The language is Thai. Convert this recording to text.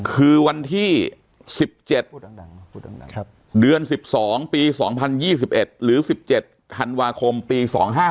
คือวันที่๑๗เดือน๑๒ปี๒๐๒๑หรือ๑๗ธันวาคมปี๒๕๖